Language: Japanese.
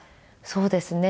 そうですね。